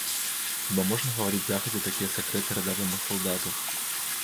Хіба можна гаварыць загадзя такія сакрэты радавому салдату?